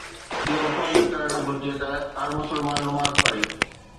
اهو فرض ڪرڻ گهرجي ته هر مسلمان نماز پڙهي.